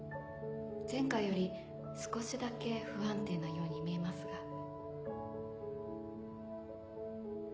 前回より少しだけ不安定なように見えますが。